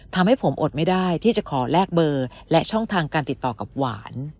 ทำให้ผมอดไม่ได้ที่จะขอแลกเบอร์และช่องทางการติดต่อกับหวาน